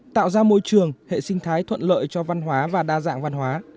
tạo ra môi trường hệ sinh thái thuận lợi cho văn hóa và đa dạng văn hóa